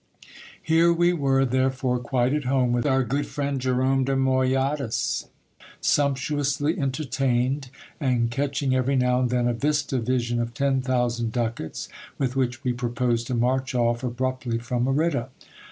Here we were, therefore, quite at home with our good friend Jerome de Moyadas, sumptuously entertained, and catching every now and then a vista vision of ten thousand ducats, with which we proposed to march off abruptly from Merida.